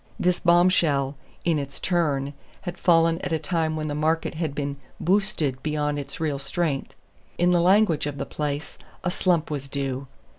This bombshell, in its turn, had fallen at a time when the market had been "boosted" beyond its real strength. In the language of the place, a slump was due.